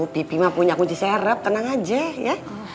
pipi mah punya kunci serep tenang aja ya